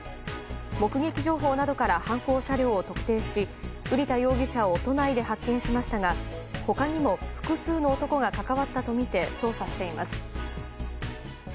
目撃情報などから犯行車両を特定し瓜田容疑者を都内で発見しましたが他にも複数の男が関わったとみて捜査しています。